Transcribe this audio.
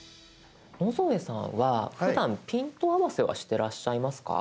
野添さんはふだんピント合わせはしてらっしゃいますか？